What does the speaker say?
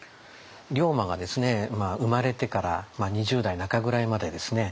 龍馬が生まれてから２０代中ぐらいまでですね